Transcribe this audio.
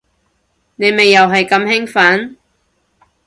你咪又係咁興奮